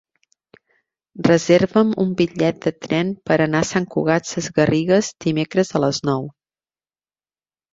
Reserva'm un bitllet de tren per anar a Sant Cugat Sesgarrigues dimecres a les nou.